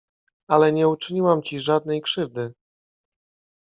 Ale nie uczyniłam ci żadnej krzywdy.